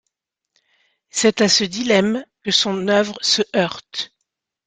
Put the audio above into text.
C'est à ce dilemme que son œuvre se heurte.